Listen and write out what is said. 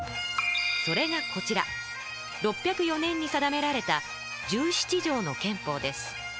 それがこちら６０４年に定められた「十七条の憲法」です。